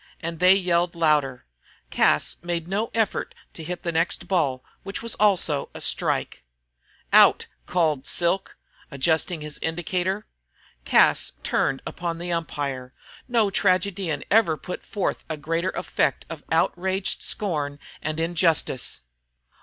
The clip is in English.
And they yelled louder. Cas made no effort to hit at the next ball, which also was a strike. "Out!" called Silk, adjusting his indicator. Cas turned upon the umpire. No tragedian ever put forth a greater effect of outraged scorn and injustice.